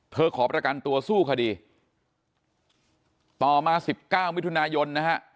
เธอขอประกันตัวสู้คดีต่อมา๑๙มิถุนายนนะฮะ